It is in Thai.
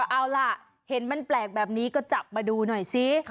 เอาล่ะเห็นมันแปลกแบบนี้ก็จับมาดูหน่อยซิ